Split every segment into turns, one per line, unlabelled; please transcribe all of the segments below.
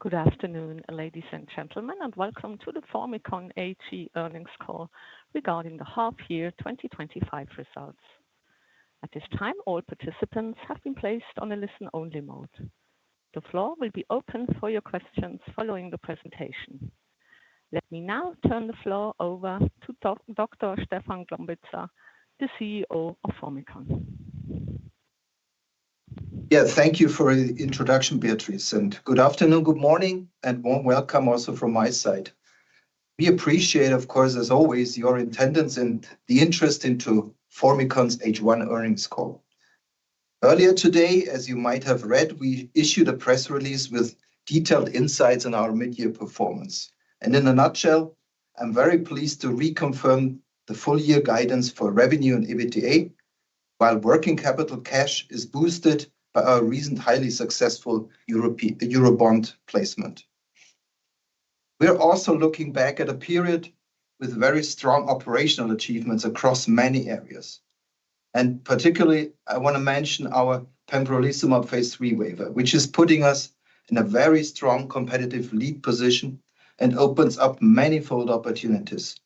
Good afternoon, ladies and gentlemen, and welcome to the Formycon A/T Earnings Call regarding the half-year 2025 results. At this time, all participants have been placed on a listen-only mode. The floor will be open for your questions following the presentation. Let me now turn the floor over to Dr. Stefan Glombitza, the CEO of Formycon.
Yeah, thank you for the introduction, Beatrice. Good afternoon, good morning, and warm welcome also from my side. We appreciate, of course, as always, your attendance and the interest into Formycon's H1 earnings call. Earlier today, as you might have read, we issued a press release with detailed insights on our mid-year performance. In a nutshell, I'm very pleased to reconfirm the full-year guidance for revenue and EBITDA, while working capital cash is boosted by our recent highly successful Eurobond placement. We're also looking back at a period with very strong operational achievements across many areas. Particularly, I want to mention our pembrolizumab Phase III waiver, which is putting us in a very strong competitive lead position and opens up many fold opportunities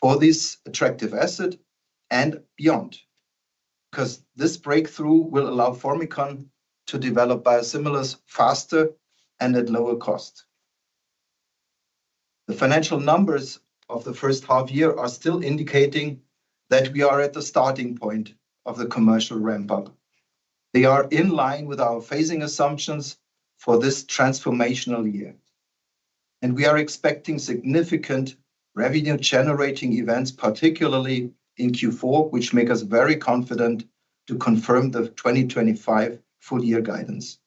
for this attractive asset and beyond. This breakthrough will allow Formycon to develop biosimilars faster and at lower cost. The financial numbers of the first half year are still indicating that we are at the starting point of the commercial ramp-up. They are in line with our phasing assumptions for this transformational year. We are expecting significant revenue-generating events, particularly in Q4, which make us very confident to confirm the 2025 full-year guidance.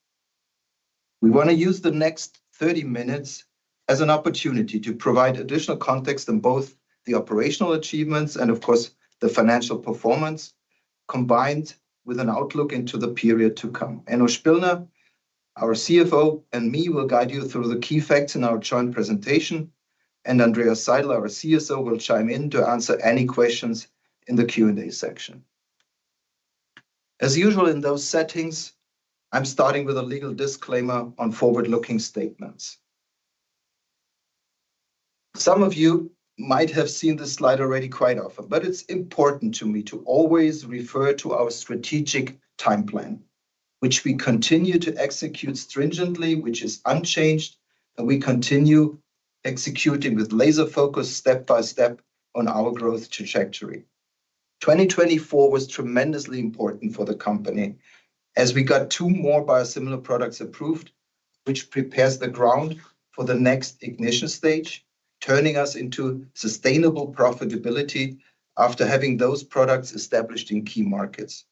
We want to use the next 30 minutes as an opportunity to provide additional context on both the operational achievements and, of course, the financial performance, combined with an outlook into the period to come. Enno Spillner, our CFO, and me will guide you through the key facts in our joint presentation. Andreas Seidl, our CSO, will chime in to answer any questions in the Q&A section. As usual in those settings, I'm starting with a legal disclaimer on forward-looking statements. Some of you might have seen this slide already quite often, but it's important to me to always refer to our strategic timeplan, which we continue to execute stringently, which is unchanged, and we continue executing with laser focus step by step on our growth trajectory. 2024 was tremendously important for the company as we got two more biosimilar products approved, which prepares the ground for the next ignition stage, turning us into sustainable profitability after having those products established in key markets.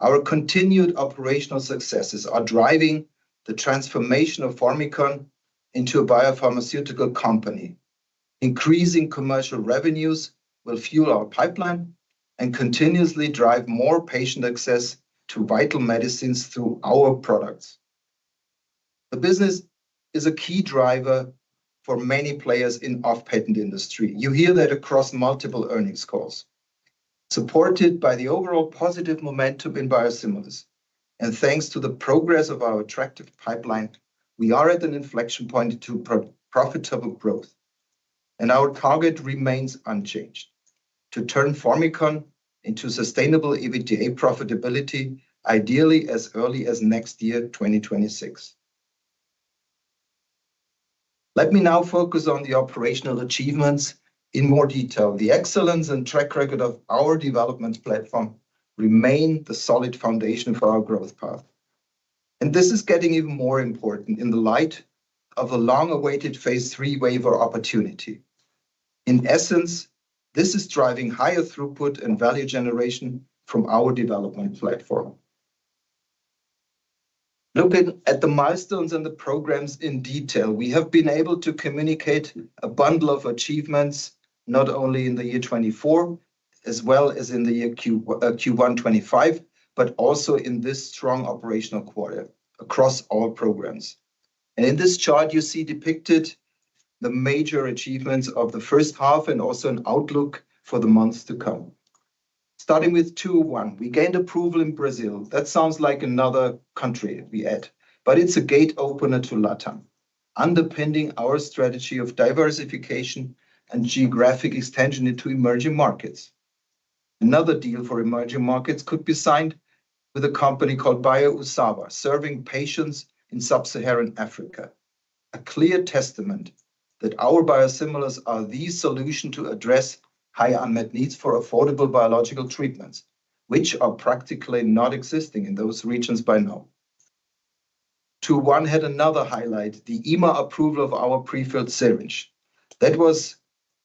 Our continued operational successes are driving the transformation of Formycon into a biopharmaceutical company. Increasing commercial revenues will fuel our pipeline and continuously drive more patient access to vital medicines through our products. The business is a key driver for many players in the off-patent industry. You hear that across multiple earnings calls. Supported by the overall positive momentum in biosimilars, and thanks to the progress of our attractive pipeline, we are at an inflection point to profitable growth. Our target remains unchanged: to turn Formycon into sustainable EBITDA profitability, ideally as early as next year, 2026. Let me now focus on the operational achievements in more detail. The excellence and track record of our development platform remain the solid foundation for our growth path. This is getting even more important in the light of a long-awaited Phase III waiver opportunity. In essence, this is driving higher throughput and value generation from our development platform. Looking at the milestones and the programs in detail, we have been able to communicate a bundle of achievements not only in the year 2024, as well as in Q1 2025, but also in this strong operational quarter across all programs. In this chart, you see depicted the major achievements of the first half and also an outlook for the months to come. Starting with Q1, we gained approval in Brazil. That sounds like another country we add, but it's a gate opener to Latam, underpinning our strategy of diversification and geographic extension into emerging markets. Another deal for emerging markets could be signed with a company called Bio Usawa, serving patients in sub-Saharan Africa. A clear testament that our biosimilars are the solution to address high unmet needs for affordable biological treatments, which are practically not existing in those regions by law. Q1 had another highlight: the EMR approval of our pre-filled syringe. That was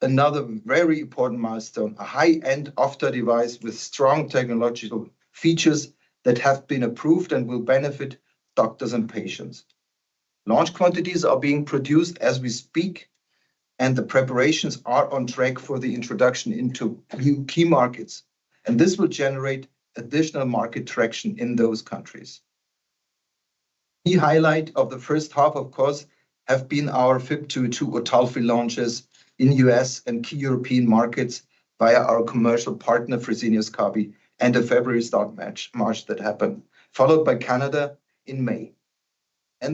another very important milestone, a high-end off-the-device with strong technological features that have been approved and will benefit doctors and patients. Large quantities are being produced as we speak, and the preparations are on track for the introduction into new key markets. This will generate additional market traction in those countries. Key highlight of the first half, of course, have been our FYB22 Otulfi, launches in the United States and key European markets via our commercial partner, Fresenius Kabi, and the February start march that happened, followed by Canada in May.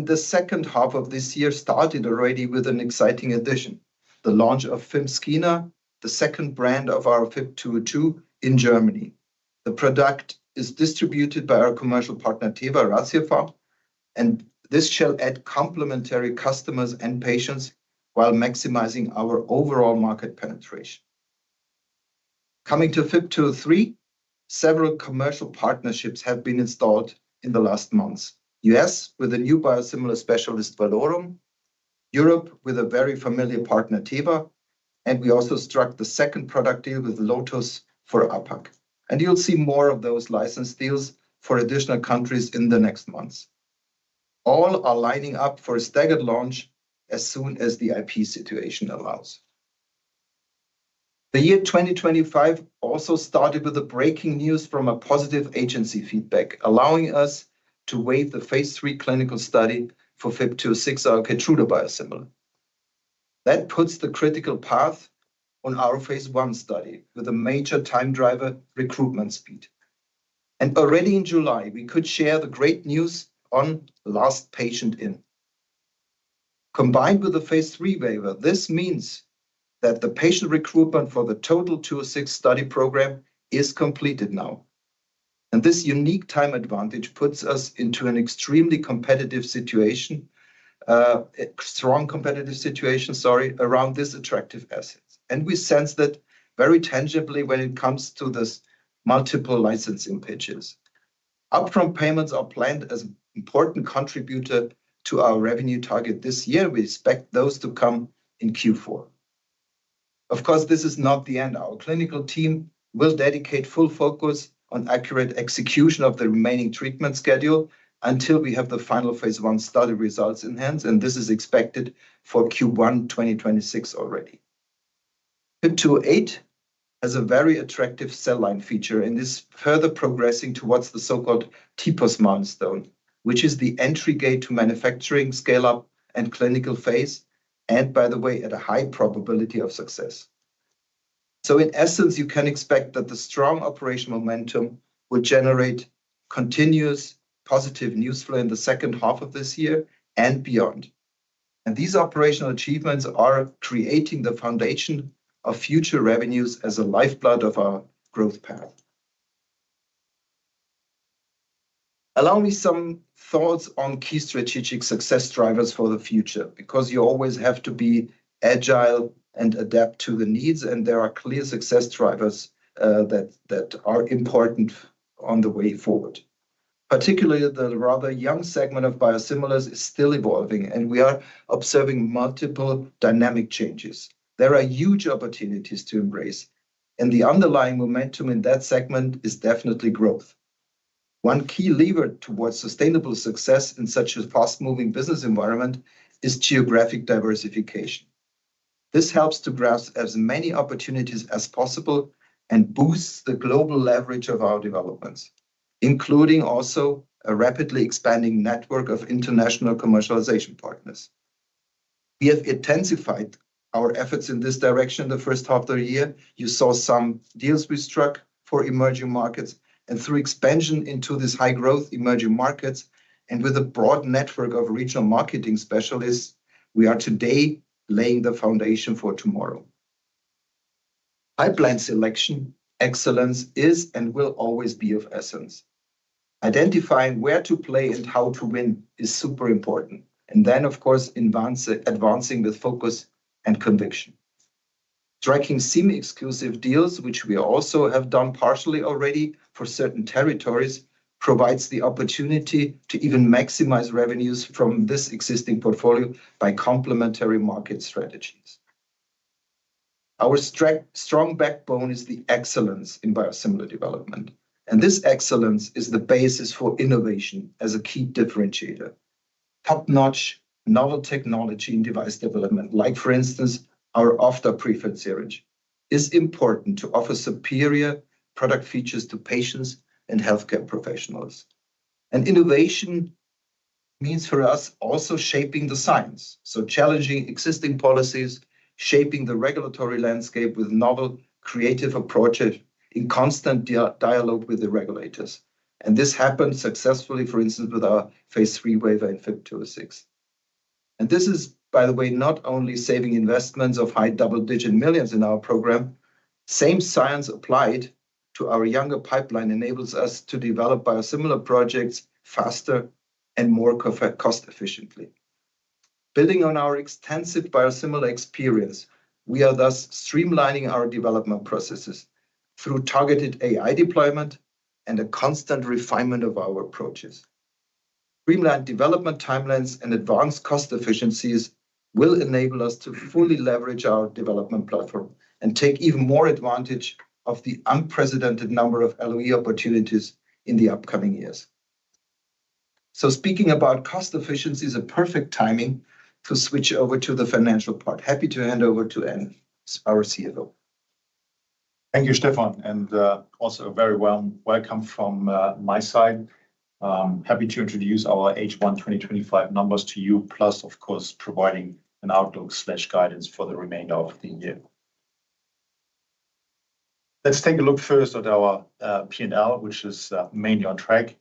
The second half of this year started already with an exciting addition: the launch of FIMskina, the second brand of our FYB202 in Germany. The product is distributed by our commercial partner, Teva-Ratiopharm, and this shall add complementary customers and patients while maximizing our overall market penetration. Coming to FYB203, several commercial partnerships have been installed in the last months. U.S. with a new biosimilar specialist, Valorum, Europe with a very familiar partner, Teva, and we also struck the second product deal with Lotus for APAC. You will see more of those licensing deals for additional countries in the next months. All are lining up for a staggered launch as soon as the IP situation allows. The year 2025 also started with the breaking news from a positive agency feedback, allowing us to waive the Phase III clinical study for FYB206, Keytruda biosimilar. That puts the critical path on our Phase I study with a major time driver, recruitment speed. Already in July, we could share the great news on last patient in. Combined with the Phase III waiver, this means that the patient recruitment for the total FYB206 study program is completed now. This unique time advantage puts us into an extremely competitive situation, a strong competitive situation, around this attractive asset. We sense that very tangibly when it comes to these multiple licensing pitches. Upfront payments are planned as an important contributor to our revenue target this year. We expect those to come in Q4. Of course, this is not the end. Our clinical team will dedicate full focus on accurate execution of the remaining treatment schedule until we have the final Phase I study results in hand, and this is expected for Q1 2026 already. FYB208 has a very attractive cell line feature and is further progressing towards the so-called TPOs milestone, which is the entry gate to manufacturing, scale-up, and clinical phase, and by the way, at a high probability of success. In essence, you can expect that the strong operational momentum will generate continuous positive news flow in the second half of this year and beyond. These operational achievements are creating the foundation of future revenues as a lifeblood of our growth path. Allow me some thoughts on key strategic success drivers for the future because you always have to be agile and adapt to the needs, and there are clear success drivers that are important on the way forward. Particularly, the rather young segment of biosimilars is still evolving, and we are observing multiple dynamic changes. There are huge opportunities to embrace, and the underlying momentum in that segment is definitely growth. One key lever towards sustainable success in such a fast-moving business environment is geographic diversification. This helps to grasp as many opportunities as possible and boosts the global leverage of our developments, including also a rapidly expanding network of international commercialization partners. We have intensified our efforts in this direction the first half of the year. You saw some deals we struck for emerging markets, and through expansion into these high-growth emerging markets and with a broad network of regional marketing specialists, we are today laying the foundation for tomorrow. Pipeline selection excellence is and will always be of essence. Identifying where to play and how to win is super important. Then, of course, advancing with focus and conviction. Tracking semi-exclusive deals, which we also have done partially already for certain territories, provides the opportunity to even maximize revenues from this existing portfolio by complementary market strategies. Our strong backbone is the excellence in biosimilar development, and this excellence is the basis for innovation as a key differentiator. Top-notch novel technology in device development, like for instance, our off-the-prefilled syringe, is important to offer superior product features to patients and healthcare professionals. Innovation means for us also shaping the science, so challenging existing policies, shaping the regulatory landscape with novel creative approaches in constant dialogue with the regulators. This happened successfully, for instance, with our Phase III waiver in FYB206. This is, by the way, not only saving investments of high double-digit millions in our program, same science applied to our younger pipeline enables us to develop biosimilar projects faster and more cost-efficiently. Building on our extensive biosimilar experience, we are thus streamlining our development processes through targeted AI deployment and a constant refinement of our approaches. Streamlined development timelines and advanced cost efficiencies will enable us to fully leverage our development platform and take even more advantage of the unprecedented number of LOE opportunities in the upcoming years. Speaking about cost efficiency, it's a perfect timing to switch over to the financial part. Happy to hand over to Enno, our CFO.
Thank you, Stefan, and also a very warm welcome from my side. Happy to introduce our H1 2025 numbers to you, plus, of course, providing an outlook/guidance for the remainder of the year. Let's take a look first at our P&L, which is mainly on track.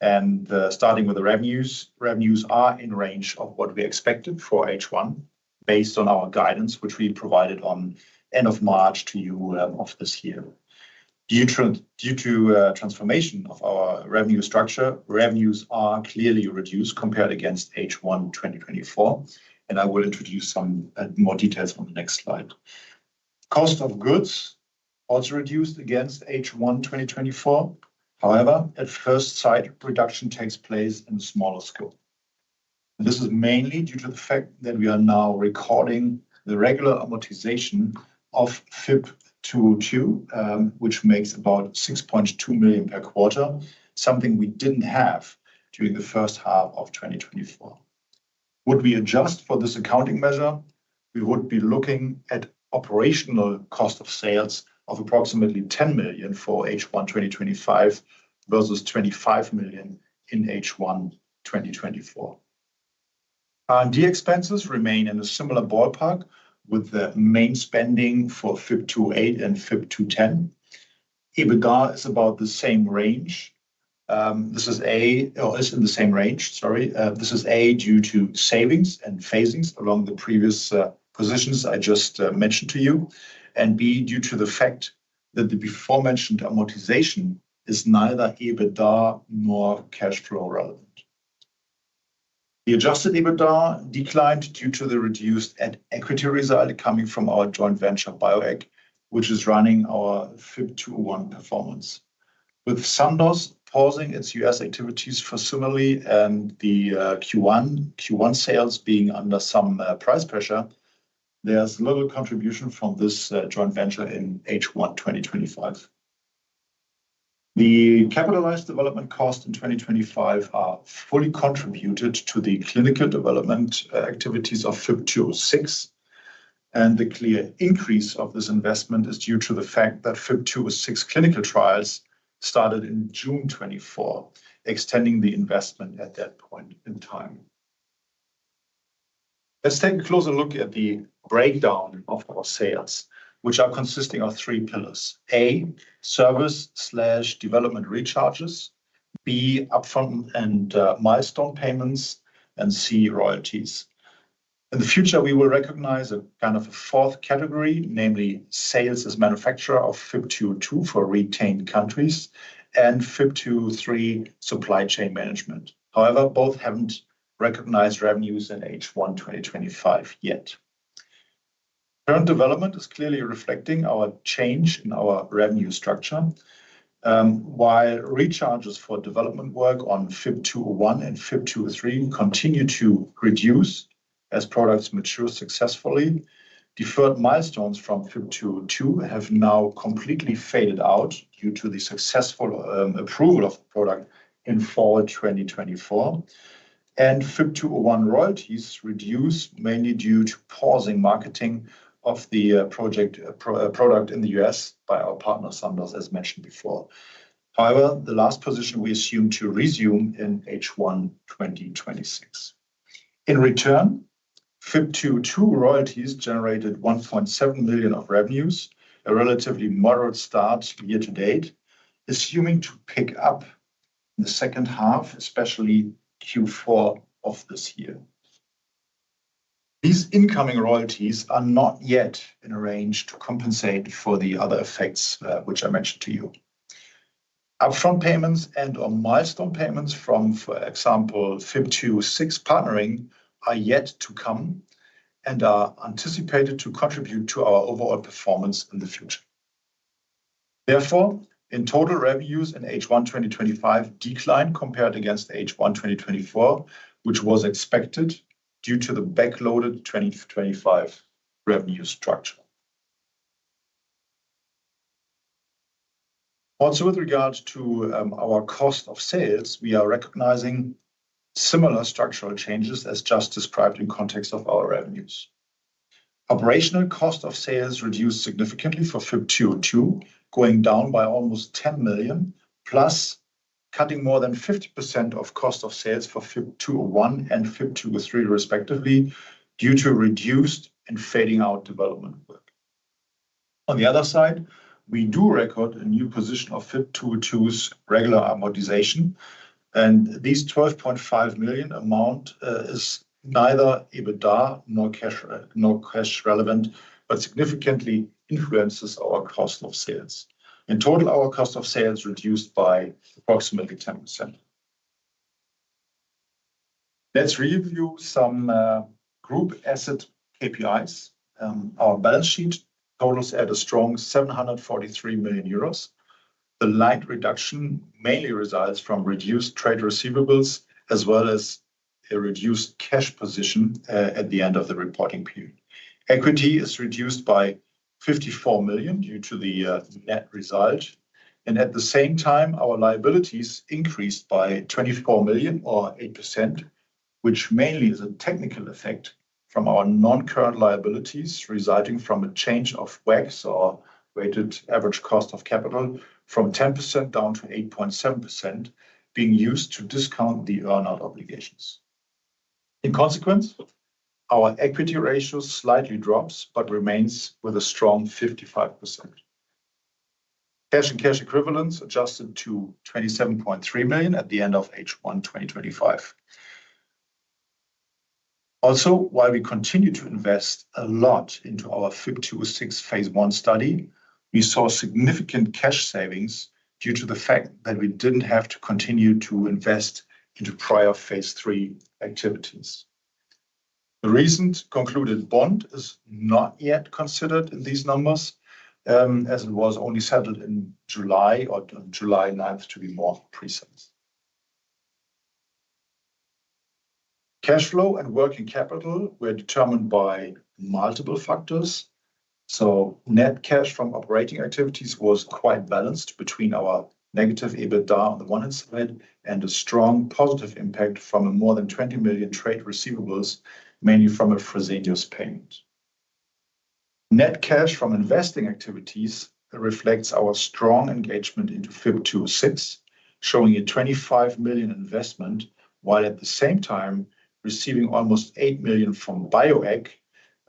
Starting with the revenues, revenues are in range of what we expected for H1 based on our guidance, which we provided at the end of March to you of this year. Due to the transformation of our revenue structure, revenues are clearly reduced compared against H1 2024, and I will introduce some more details on the next slide. Cost of goods also reduced against H1 2024. However, at first sight, reduction takes place in a smaller scale. This is mainly due to the fact that we are now recording the regular amortization of FYB202, which makes about €6.2 million per quarter, something we didn't have during the first half of 2024. If we adjust for this accounting measure, we would be looking at operational cost of sales of approximately €10 million for H1 2025 versus €25 million in H1 2024. R&D expenses remain in a similar ballpark with the main spending for FYB208 and FYB210. EBITDA is about the same range. This is in the same range, sorry. This is A due to savings and phasings along the previous positions I just mentioned to you, and B due to the fact that the aforementioned amortization is neither EBITDA nor cash flow relevant. The adjusted EBITDA declined due to the reduced equity reside coming from our joint venture BioAid, which is running our FYB201 performance. With Sandoz pausing its U.S. activities for similarly and the Q1 sales being under some price pressure, there's little contribution from this joint venture in H1 2025. The capitalized development costs in 2025 are fully contributed to the clinical development activities of FYB206, and the clear increase of this investment is due to the fact that FYB206 clinical trials started in June 2024, extending the investment at that point in time. Let's take a closer look at the breakdown of our sales, which are consisting of three pillars: A, service/development recharges; B, upfront and milestone payments; and C, royalties. In the future, we will recognize a kind of a fourth category, namely sales as a manufacturer of FYB202 for retained countries and FI203 supply chain management. However, both haven't recognized revenues in H1 2025 yet. Current development is clearly reflecting our change in our revenue structure. While recharges for development work on FYB201 and FYB203 continue to reduce as products mature successfully, deferred milestones from FYB202 have now completely faded out due to the successful approval of the product in fall 2024. FYB201 royalties reduce mainly due to pausing marketing of the product in the U.S. by our partner, Sandoz, as mentioned before. However, the last position we assume to resume in H1 2026. In return, FYB202 royalties generated €1.7 million of revenues, a relatively moderate start year-to-date, assuming to pick up in the second half, especially Q4 of this year. These incoming royalties are not yet in a range to compensate for the other effects which I mentioned to you. Upfront payments and/or milestone payments from, for example, FYB206 partnering are yet to come and are anticipated to contribute to our overall performance in the future. Therefore, in total, revenues in H1 2025 decline compared against H1 2024, which was expected due to the backloaded 2025 revenue structure. Also, with regard to our cost of sales, we are recognizing similar structural changes as just described in the context of our revenues. Operational cost of sales reduced significantly for FYB202, going down by almost €10 million, plus cutting more than 50% of cost of sales for FYB201 and FYB203, respectively, due to reduced and fading out development work. On the other side, we do record a new position of FYB202's regular amortization, and this €12.5 million amount is neither EBITDA nor cash relevant, but significantly influences our cost of sales. In total, our cost of sales reduced by approximately 10%. Let's review some group asset KPIs. Our balance sheet totals at a strong €743 million. The light reduction mainly results from reduced trade receivables as well as a reduced cash position at the end of the reporting period. Equity is reduced by €54 million due to the net result. At the same time, our liabilities increased by €24 million or 8%, which mainly is a technical effect from our non-current liabilities residing from a change of WACC, or weighted average cost of capital, from 10%-8.7% being used to discount the earnout obligations. In consequence, our equity ratio slightly drops but remains with a strong 55%. Cash and cash equivalents adjusted to €27.3 million at the end of H1 2025. Also, while we continue to invest a lot into our FYB206 Phase I study, we saw significant cash savings due to the fact that we didn't have to continue to invest into prior Phase III activities. The recently concluded bond is not yet considered in these numbers, as it was only settled in July, or on July 9th to be more precise. Cash flow and working capital were determined by multiple factors. Net cash from operating activities was quite balanced between our negative EBITDA on the one hand and the strong positive impact from more than $20 million trade receivables, mainly from a Fresenius Kabi payment. Net cash from investing activities reflects our strong engagement into FYB206, showing a $25 million investment, while at the same time receiving almost $8 million from BioAid,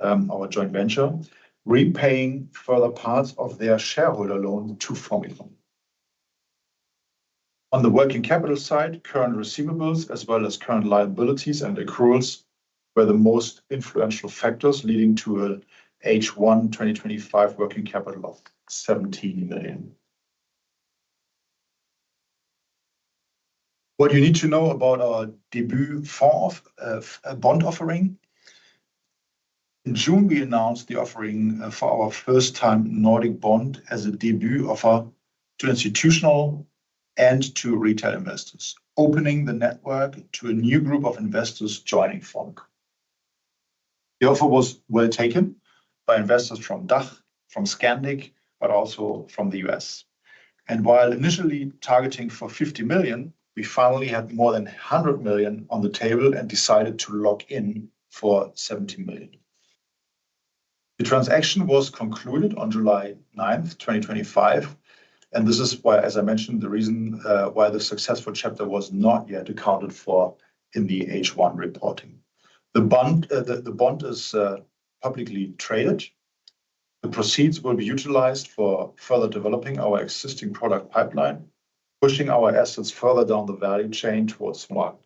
our joint venture, repaying further parts of their shareholder loan to Formy. On the working capital side, current receivables as well as current liabilities and accruals were the most influential factors leading to an H1 2025 working capital of $17 million. What do you need to know about our debut bond offering? In June, we announced the offering for our first-time Nordic bond as a debut offer to institutional and to retail investors, opening the network to a new group of investors joining FONK. The offer was well taken by investors from Deutsch, from Scandic, but also from the U.S. While initially targeting $50 million, we finally had more than $100 million on the table and decided to lock in for $70 million. The transaction was concluded on July 9th, 2025. This is why, as I mentioned, the reason why the successful chapter was not yet accounted for in the H1 reporting. The bond is publicly traded. The proceeds will be utilized for further developing our existing product pipeline, pushing our assets further down the value chain towards market.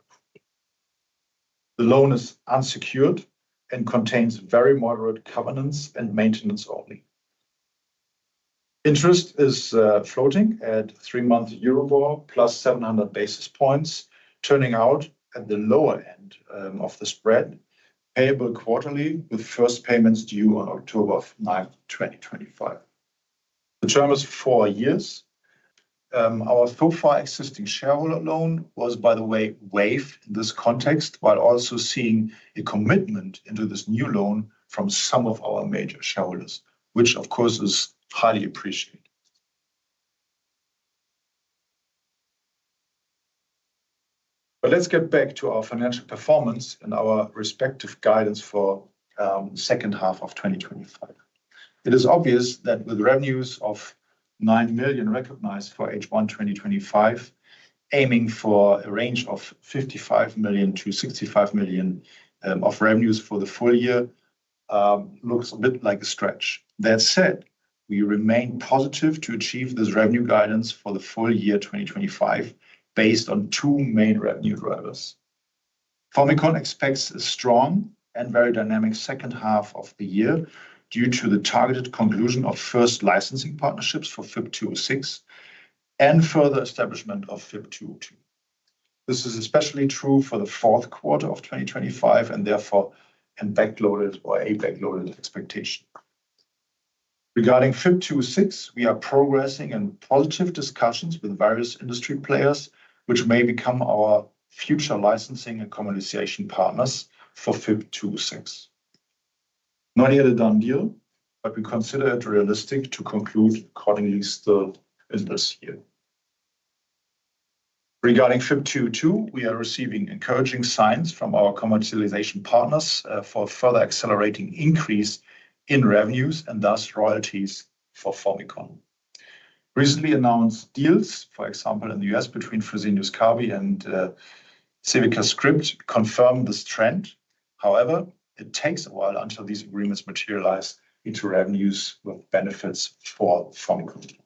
The loan is unsecured and contains very moderate covenants and maintenance only. Interest is floating at three months Euribor plus 700 basis points, turning out at the lower end of the spread, payable quarterly with first payments due on October 9th, 2025. The term is four years. Our so far existing shareholder loan was, by the way, waived in this context, while also seeing a commitment into this new loan from some of our major shareholders, which, of course, is highly appreciated. Let's get back to our financial performance and our respective guidance for the second half of 2025. It is obvious that with revenues of €9 million recognized for H1 2025, aiming for a range of €55 million-€65 million of revenues for the full year looks a bit like a stretch. That said, we remain positive to achieve this revenue guidance for the full year 2025 based on two main revenue drivers. Formycon expects a strong and very dynamic second half of the year due to the targeted conclusion of first licensing partnerships for FYB206 and further establishment of FYB202. This is especially true for the fourth quarter of 2025 and therefore a backloaded expectation. Regarding FYB206, we are progressing in positive discussions with various industry players, which may become our future licensing and commoditization partners for FYB206. Not yet a done deal, but we consider it realistic to conclude accordingly still in this year. Regarding FYB202, we are receiving encouraging signs from our commercialization partners for further accelerating increase in revenues and thus royalties for Formycon. Recently announced deals, for example, in the U.S. between Fresenius Kabi and CivicaScript, confirm this trend. However, it takes a while until these agreements materialize into revenues with benefits for Formycon.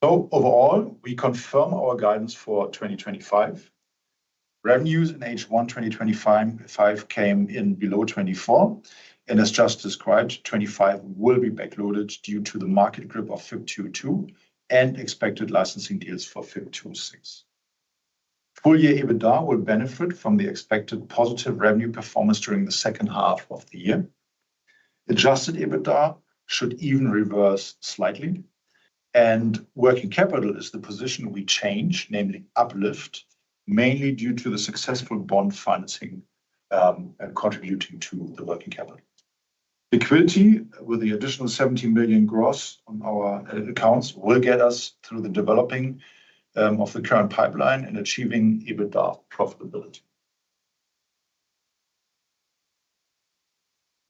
Overall, we confirm our guidance for 2025. Revenues in H1 2025 came in below €24 million. As just described, 2025 will be backloaded due to the market grip of FYB202 and expected licensing deals for FYB206. Full-year EBITDA will benefit from the expected positive revenue performance during the second half of the year. Adjusted EBITDA should even reverse slightly. Working capital is the position we change, namely uplift, mainly due to the successful bond financing and contributing to the working capital. Liquidity with the additional €70 million gross on our LV pounds will get us through the developing of the current pipeline and achieving EBITDA profitability.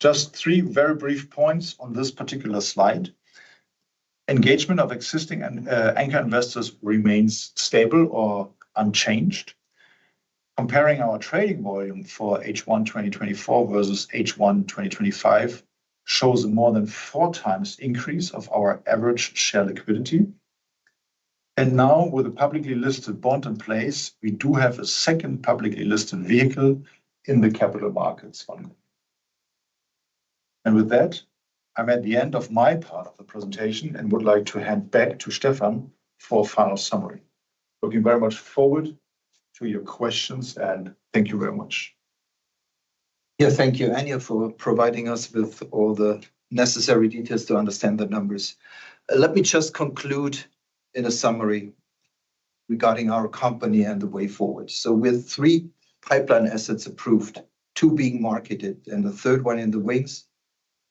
Just three very brief points on this particular slide. Engagement of existing anchor investors remains stable or unchanged. Comparing our trading volume for H1 2024 versus H1 2025 shows a more than 4x increase of our average share liquidity. Now, with a publicly listed bond in place, we do have a second publicly listed vehicle in the capital markets fund. With that, I'm at the end of my part of the presentation and would like to hand back to Stefan for a final summary. Looking very much forward to your questions, and thank you very much.
Yeah, thank you, Enno, for providing us with all the necessary details to understand the numbers. Let me just conclude in a summary regarding our company and the way forward. With three pipeline assets approved, two being marketed, and the third one in the wings,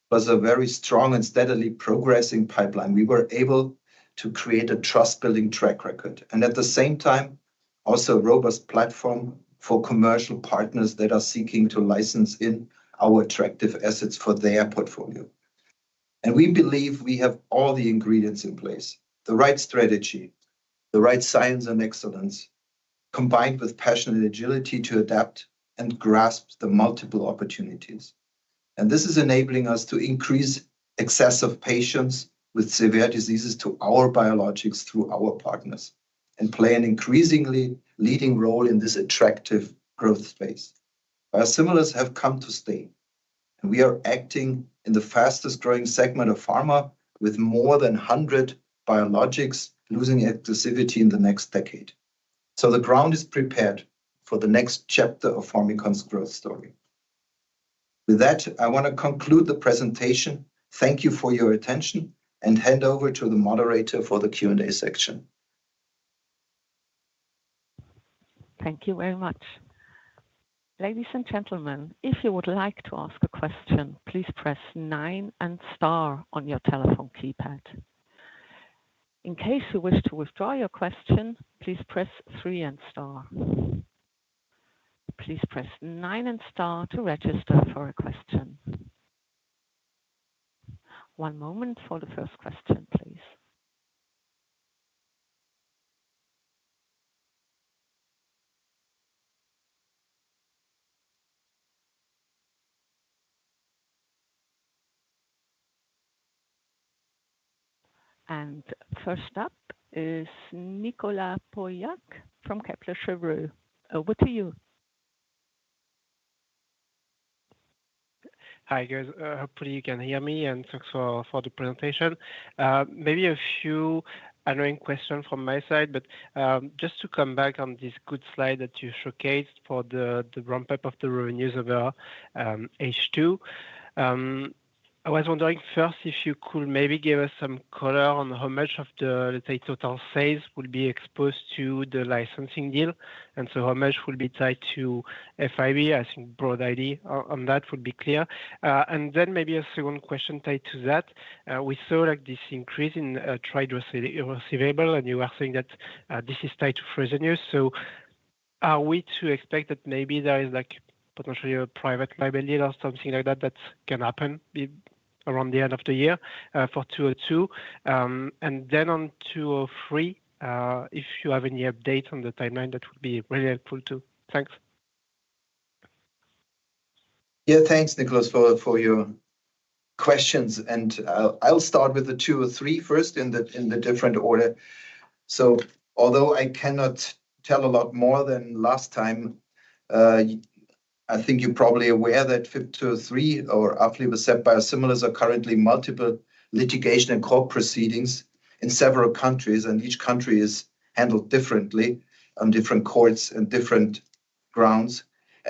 it was a very strong and steadily progressing pipeline. We were able to create a trust-building track record. At the same time, also a robust platform for commercial partners that are seeking to license in our attractive assets for their portfolio. We believe we have all the ingredients in place: the right strategy, the right science and excellence, combined with passion and agility to adapt and grasp the multiple opportunities. This is enabling us to increase access for patients with severe diseases to our biologics through our partners and play an increasingly leading role in this attractive growth space. Biosimilars have come to stay, and we are acting in the fastest growing segment of pharma with more than 100 biologics losing exclusivity in the next decade. The ground is prepared for the next chapter of Formycon's growth story. With that, I want to conclude the presentation. Thank you for your attention and hand over to the moderator for the Q&A section.
Thank you very much. Ladies and gentlemen, if you would like to ask a question, please press nine and Star on your telephone keypad. In case you wish to withdraw your question, please press three and Star. Please press nine and Star to register for a question. One moment for the first question, please. First up is Nicolas Pauillac from Kepler Cheuvreux. Over to you.
Hi, guys. Hopefully, you can hear me and thanks for the presentation. Maybe a few annoying questions from my side, but just to come back on this good slide that you showcased for the ramp-up of the revenues of H2, I was wondering first if you could maybe give us some color on how much of the, let's say, total sales would be exposed to the licensing deal. How much would be tied to FIB? I think broad idea on that would be clear. Maybe a second question tied to that. We saw this increase in trade receivable, and you are saying that this is tied to Fresenius. Are we to expect that maybe there is potentially a private liability or something like that that can happen around the end of the year for 2024? On 2023, if you have any updates on the timeline, that would be really helpful too. Thanks.
Yeah, thanks, Nicola, for your questions. I'll start with the 2023 first in a different order. Although I cannot tell a lot more than last time, I think you're probably aware that FYB203 or uplabel semi-biosimilars are currently in multiple litigation and court proceedings in several countries, and each country is handled differently in different courts and on different grounds.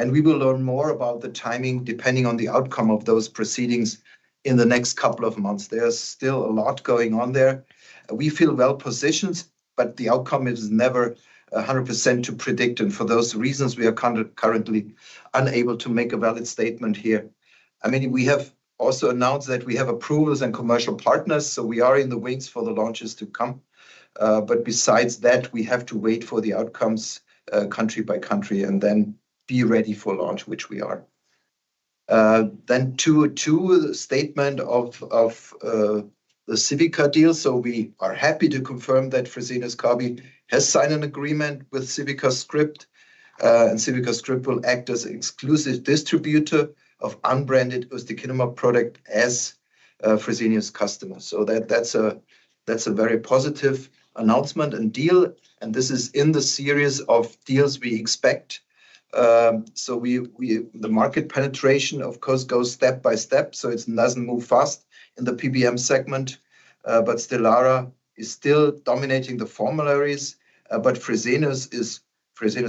We will learn more about the timing depending on the outcome of those proceedings in the next couple of months. There's still a lot going on there. We feel well positioned, but the outcome is never 100% to predict. For those reasons, we are currently unable to make a valid statement here. I mean, we have also announced that we have approvals and commercial partners, so we are in the wings for the launches to come. Besides that, we have to wait for the outcomes country by country and then be ready for launch, which we are. In 2022, the statement of the Civica deal. We are happy to confirm that Fresenius Kabi has signed an agreement with CivicaScript, and CivicaScript will act as an exclusive distributor of unbranded products as Fresenius customers. That's a very positive announcement and deal. This is in the series of deals we expect. The market penetration, of course, goes step by step. It doesn't move fast in the PBM segment. Stelara is still dominating the formularies. Fresenius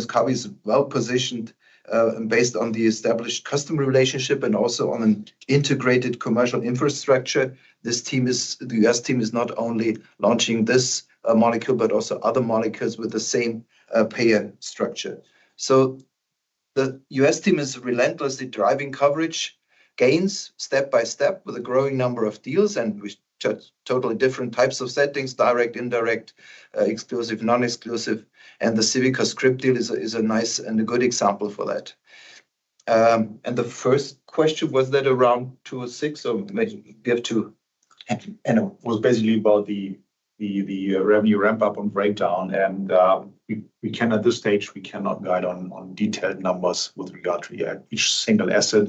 Kabi is well-positioned and based on the established customer relationship and also on an integrated commercial infrastructure. This team, the U.S. team, is not only launching this molecule, but also other molecules with the same pay and structure. The U.S. team is relentlessly driving coverage gains step by step with a growing number of deals and with totally different types of settings, direct, indirect, exclusive, non-exclusive. The CivicaScript deal is a nice and a good example for that. The first question, was that around 2026? We have to...
It was basically about the revenue ramp-up and breakdown. At this stage, we cannot guide on detailed numbers with regard to each single asset.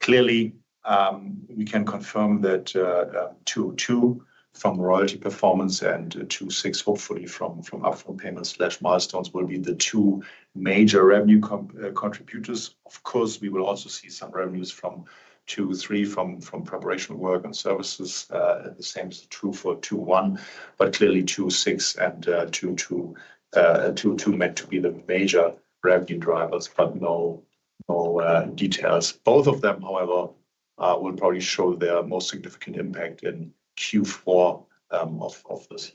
Clearly, we can confirm that FYB202 from royalty performance and FYB206, hopefully, from upfront payments/milestones will be the two major revenue contributors. Of course, we will also see some revenues from FYB203, from preparation work and services. The same is true for FYB201. Clearly, FYB206 and FYB202 are meant to be the major revenue drivers, but no details. Both of them, however, will probably show their most significant impact in Q4 of this.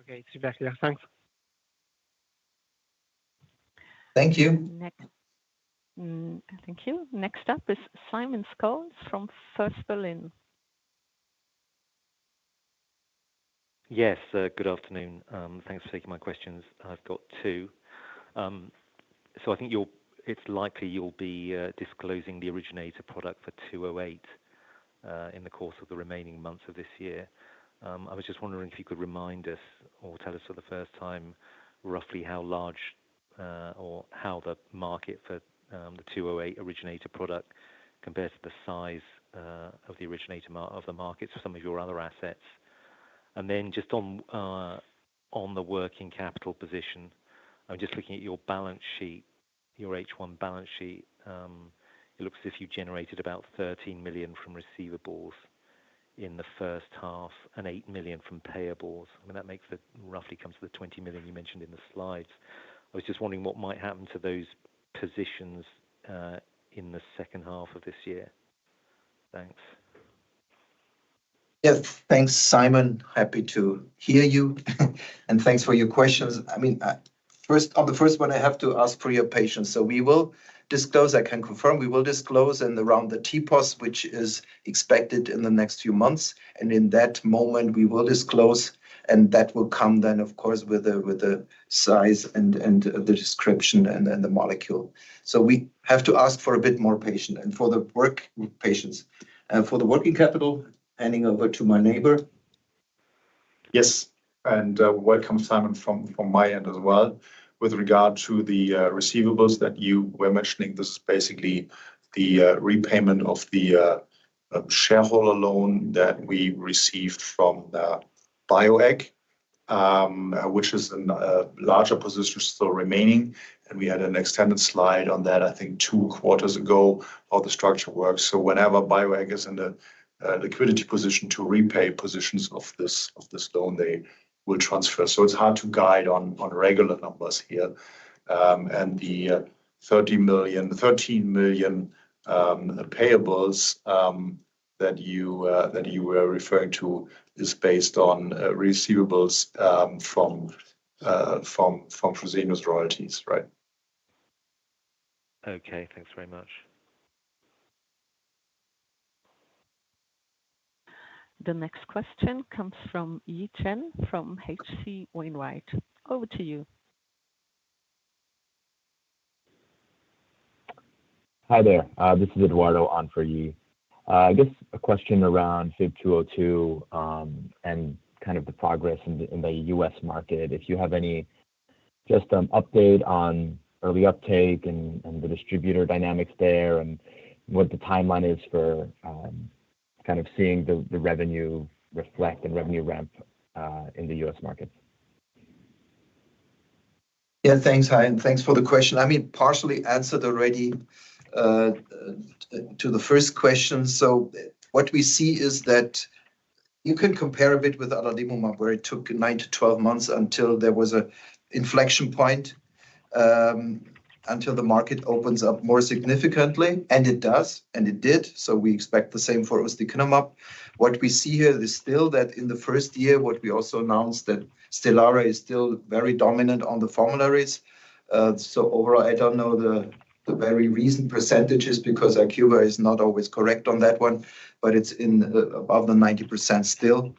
Okay, it's exactly that. Thanks.
Thank you.
Thank you. Next up is Simon Scholes First Berlin Equity Research.
Yes, good afternoon. Thanks for taking my questions. I've got two. I think it's likely you'll be disclosing the originator product for FYB208 in the course of the remaining months of this year. I was just wondering if you could remind us or tell us for the first time roughly how large or how the market for the FYB208 originator product compares to the size of the originator of the market for some of your other assets. Just on the working capital position, I was just looking at your balance sheet, your H1 balance sheet. It looks as if you generated about €13 million from receivables in the first half and €8 million from payables. That makes it roughly comes to the €20 million you mentioned in the slides. I was just wondering what might happen to those positions in the second half of this year. Thanks.
Yes, thanks, Simon. Happy to hear you. Thanks for your questions. First, on the first one, I have to ask for your patience. We will disclose, I can confirm, we will disclose in the round the TPOs, which is expected in the next few months. In that moment, we will disclose, and that will come then, of course, with the size and the description and the molecule. We have to ask for a bit more patience and for the work patience. For the working capital, handing over to my neighbor.
Yes, and welcome, Simon, from my end as well. With regard to the receivables that you were mentioning, this is basically the repayment of the shareholder loan that we received from BioAid, which is a larger position still remaining. We had an extended slide on that, I think, two quarters ago of the structure work. Whenever BioAid is in a liquidity position to repay positions of this loan, they will transfer. It's hard to guide on regular numbers here. The $13 million payables that you were referring to is based on receivables from Fresenius Kabi royalties, right?
Okay, thanks very much.
The next question comes from Yi Chen from H.C. Wainwright. Over to you.
Hi there. This is Eduardo on for Yi. I guess a question around FYB202 and kind of the progress in the U.S. market. If you have any just an update on early uptake and the distributor dynamics there, and what the timeline is for kind of seeing the revenue reflect and revenue ramp in the U.S. market.
Yeah, thanks. Hi, and thanks for the question. I mean, partially answered already to the first question. What we see is that you can compare a bit with adalimumab where it took 9-12 months until there was an inflection point until the market opens up more significantly. It does, and it did. We expect the same for FYB202. What we see here is still that in the first year, what we also announced, that Stelara is still very dominant on the formularies. Overall, I don't know the very recent percentages because IQVIA is not always correct on that one, but it's above the 90% still.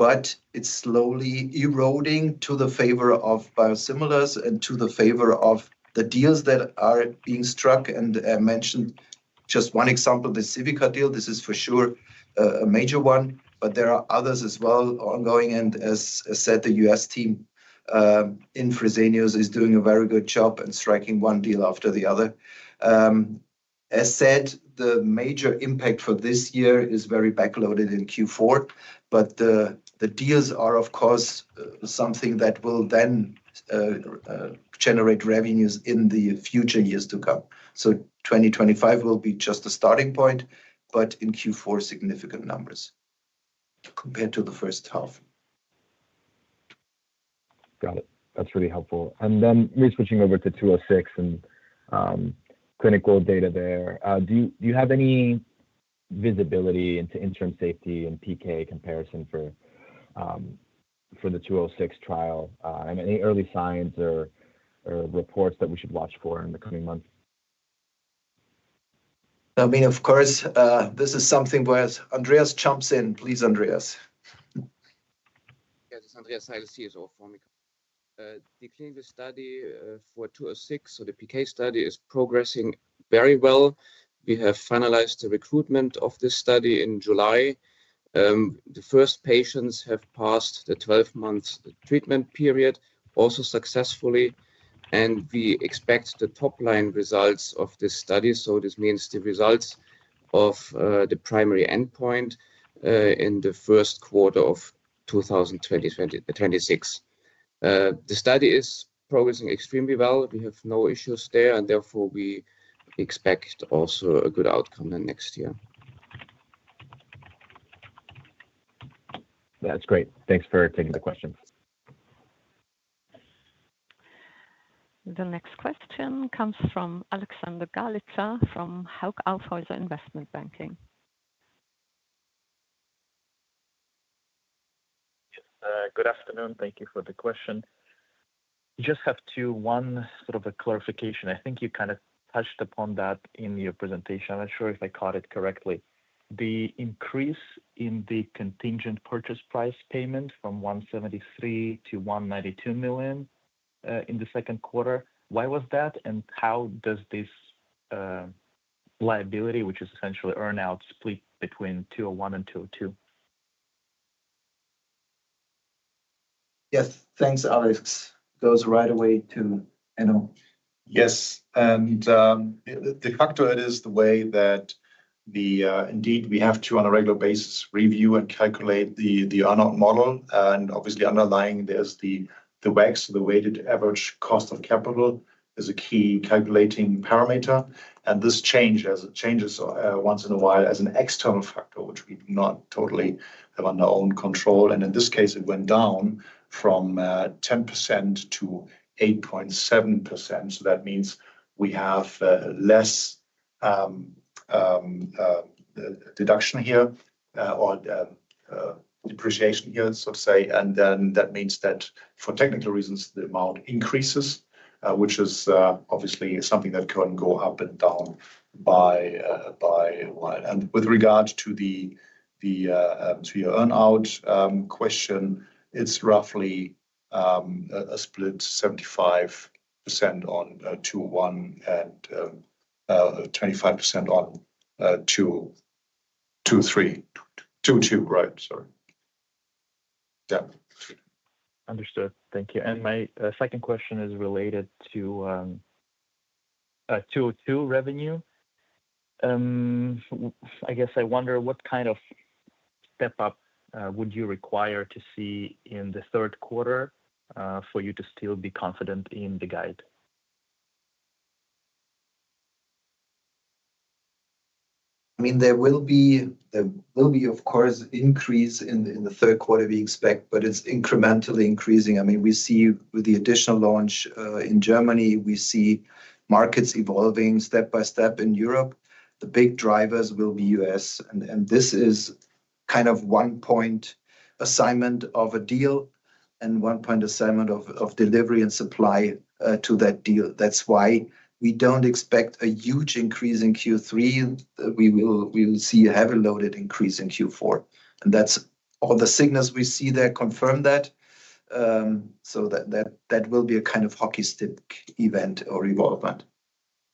It's slowly eroding to the favor of biosimilars and to the favor of the deals that are being struck. I mentioned just one example, the Civica deal. This is for sure a major one, but there are others as well ongoing. The U.S. team in Fresenius is doing a very good job and striking one deal after the other. The major impact for this year is very backloaded in Q4. The deals are, of course, something that will then generate revenues in the future years to come. 2025 will be just a starting point, but in Q4, significant numbers compared to the first half.
Got it. That's really helpful. You're switching over to FYB206 and clinical data there. Do you have any visibility into interim safety and PK comparison for the FYB206 trial? Any early signs or reports that we should watch for in the coming months?
I mean, of course, this is something where Dr. Andreas Seidl jumps in. Please, Andreas.
Yeah, this is Andreas, CSO Formycon. The clinical study for FYB206, so the PK study, is progressing very well. We have finalized the recruitment of this study in July. The first patients have passed the 12-month treatment period also successfully. We expect the top-line results of this study, which means the results of the primary endpoint, in the first quarter of 2026. The study is progressing extremely well. We have no issues there, and therefore, we expect also a good outcome in the next year.
That's great. Thanks for taking the question.
The next question comes from Alexander Galica from Hauck Aufhäuser Investment Banking.
Good afternoon. Thank you for the question. I just have two, one sort of a clarification. I think you kind of touched upon that in your presentation. I'm not sure if I caught it correctly. The increase in the contingent purchase price payment from €173 million-€192 million in the second quarter, why was that? How does this liability, which is essentially earnout, split between 2021 and 2022?
Yes, thanks, Alex. Goes right away to Enno.
Yes, the factor is the way that indeed we have to, on a regular basis, review and calculate the earnout model. Obviously, underlying this is the WACC, the weighted average cost of capital, which is a key calculating parameter. This changes once in a while as an external factor, which we do not totally have under our own control. In this case, it went down from 10%-8.7%. That means we have less deduction here or depreciation here, so to say. That means that for technical reasons, the amount increases, which is obviously something that can go up and down by a while. With regard to your earnout question, it's roughly a split 75% on FYB201 and 25% on FYB203, FYB202, right? Sorry. Yeah.
Understood. Thank you. My second question is related to FYB202 revenue. I guess I wonder what kind of step-up would you require to see in the third quarter for you to still be confident in the guide? There will be, of course, an increase in the third quarter we expect, but it's incrementally increasing. We see with the additional launch in Germany, we see markets evolving step by step in Europe. The big drivers will be U.S. This is kind of one point assignment of a deal and one point assignment of delivery and supply to that deal. That's why we don't expect a huge increase in Q3. We will see a heavy loaded increase in Q4, and all the signals we see there confirm that. That will be a kind of hockey stick event or evolvement,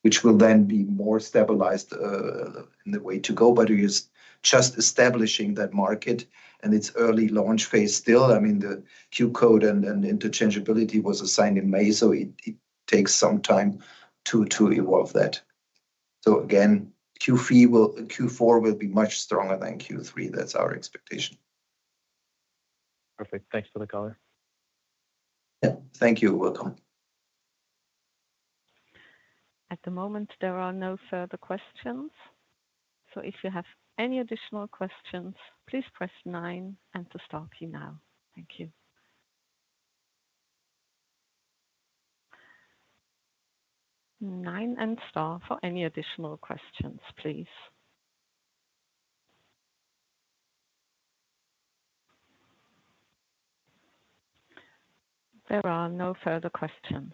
which will then be more stabilized in the way to go. It is just establishing that market and its early launch phase still. The Q code and interchangeability was assigned in May, so it takes some time to evolve that. Again, Q4 will be much stronger than Q3. That's our expectation.
Perfect. Thanks for the color.
Thank you. Welcome.
At the moment, there are no further questions. If you have any additional questions, please press nine and star key now. Thank you. Nine and Star for any additional questions, please. There are no further questions.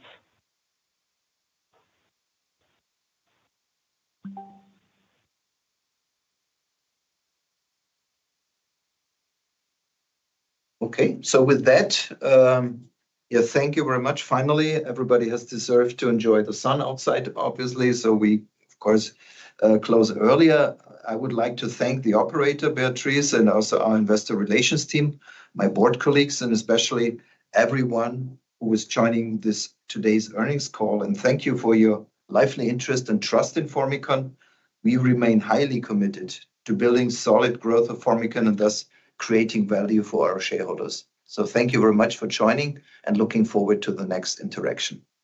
Okay. With that, thank you very much. Finally, everybody has deserved to enjoy the sun outside, obviously. We, of course, close earlier. I would like to thank the operator, Beatrice, and also our investor relations team, my board colleagues, and especially everyone who is joining today's earnings call. Thank you for your lively interest and trust in Formycon. We remain highly committed to building solid growth of Formycon and thus creating value for our shareholders. Thank you very much for joining and looking forward to the next interaction.